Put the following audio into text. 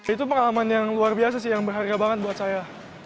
itu pengalaman yang luar biasa sih yang berharga banget buat saya